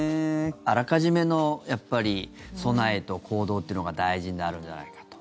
あらかじめの備えと行動っていうのが大事になるんじゃないかと。